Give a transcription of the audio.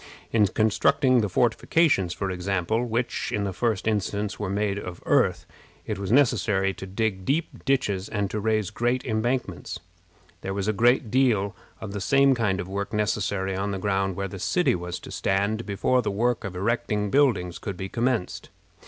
In constructing the fortifications, for example, which, in the first instance, were made of earth, it was necessary to dig deep ditches and to raise great embankments. There was a great deal of the same kind of work necessary on the ground where the city was to stand before the work of erecting buildings could be commenced.